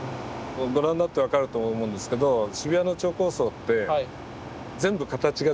ご覧になって分かると思うんですけど渋谷の超高層って全部形が違いますよね。